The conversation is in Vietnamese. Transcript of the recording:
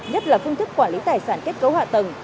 nhất là phương thức quản lý tài sản kết cấu hạ tầng